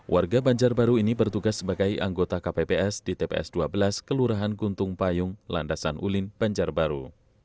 warga banjarbaru ini bertugas sebagai anggota kpps di tps dua belas kelurahan guntung payung landasan ulin banjarbaru